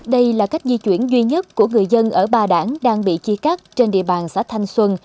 đây là cách di chuyển duy nhất của người dân ở ba đảng đang bị chia cắt trên địa bàn xã thanh xuân